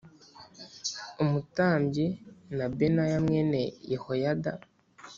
umutambyi na Benaya mwene Yehoyada